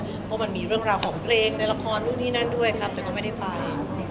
เพราะมันมีเรื่องราวของเพลงในละครนู่นนี่นั่นด้วยครับแต่ก็ไม่ได้ไป